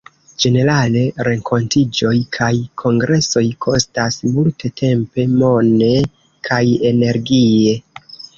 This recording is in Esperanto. Ĝenerale, renkontiĝoj kaj kongresoj kostas multe tempe, mone, kaj energie.